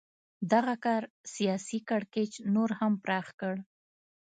دغه کار سیاسي کړکېچ نور هم پراخ کړ.